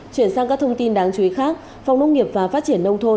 chuyển sang các thông tin đáng chú ý khác phòng nông nghiệp và phát triển nông thôn